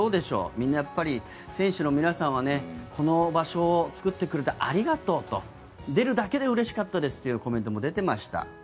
みんな選手の皆さんはこの場所を作ってくれてありがとうと出るだけでうれしかったですというコメントも出ていました。